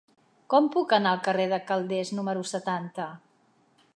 Com puc anar al carrer de Calders número setanta?